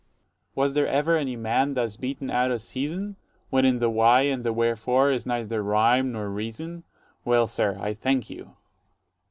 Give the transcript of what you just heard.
Dro. S. Was there ever any man thus beaten out of season, When in the why and the wherefore is neither rhyme nor reason? Well, sir, I thank you.